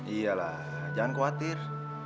iyalah jangan khawatir